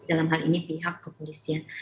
dalam hal ini pihak kepolisian